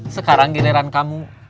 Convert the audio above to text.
sekarang giliran kamu